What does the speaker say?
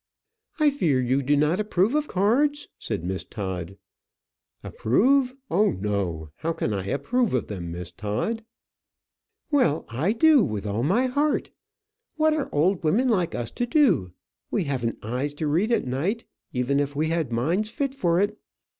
"I fear you do not approve of cards?" said Miss Todd. "Approve! oh no, how can I approve of them, Miss Todd?" "Well, I do with all my heart. What are old women like us to do? We haven't eyes to read at night, even if we had minds fit for it.